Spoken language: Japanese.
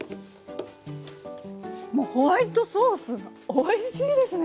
もうホワイトソースがおいしいですね！